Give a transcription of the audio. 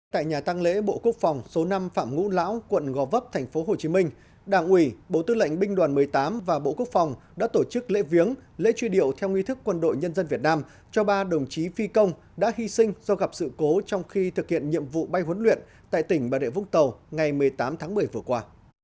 tại nhà tăng lễ bộ quốc phòng số năm phạm ngũ lão quận gò vấp tp hcm đảng ủy bộ tư lệnh binh đoàn một mươi tám và bộ quốc phòng đã tổ chức lễ viếng lễ truy điệu theo nghi thức quân đội nhân dân việt nam cho ba đồng chí phi công đã hy sinh do gặp sự cố trong khi thực hiện nhiệm vụ bay huấn luyện tại tỉnh bà rịa vũng tàu ngày một mươi tám tháng một mươi vừa qua